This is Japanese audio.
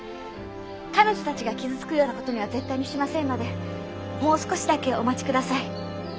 彼女たちが傷つくようなことには絶対にしませんのでもう少しだけお待ちください。